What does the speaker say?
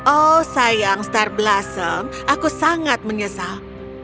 oh sayang star blossom aku sangat menyesal